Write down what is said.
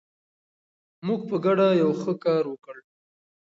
موږ په ګډه یو ښه کار وکړ.